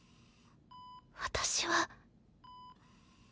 私は。